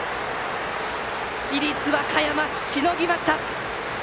市立和歌山、しのぎました。